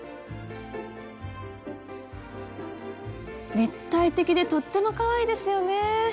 立体的でとってもかわいいですよね。